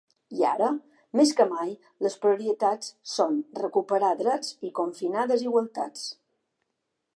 I ara, ‘més que mai’, les ‘prioritats’ són ‘recuperar drets i confinar desigualtats’.